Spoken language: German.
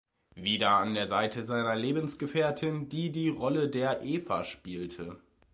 Wieder an der Seite seiner Lebensgefährtin, die die Rolle der Eva spielte.